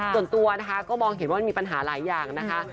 ส่วนตัวนะคะก็มองเห็นว่ามันมีปัญหาหลายอย่างนะคะ